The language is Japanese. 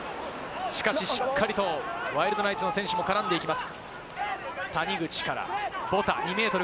しかし、しっかりとワイルドナイツの選手も絡んでいきます。